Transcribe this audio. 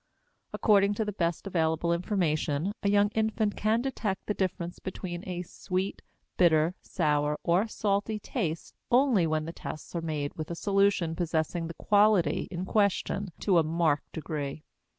According to the best available information a young infant can detect the difference between a sweet, bitter, sour, or salty taste only when the tests are made with a solution possessing the quality in question to a marked degree.